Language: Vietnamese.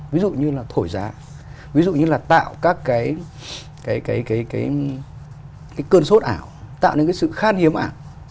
ví dụ như là thổi giá ví dụ như là tạo các cái cơn sốt ảo tạo nên cái sự khan hiếm ảo